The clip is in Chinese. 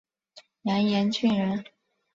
杨延俊人。